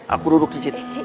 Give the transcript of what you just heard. aku duduk di situ